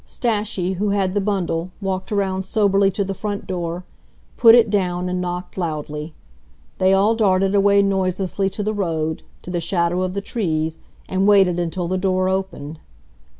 Stashie, who had the bundle, walked around soberly to the front door, put it down, and knocked loudly. They all darted away noiselessly to the road, to the shadow of the trees, and waited until the door opened.